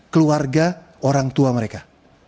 keluarga orang tua mereka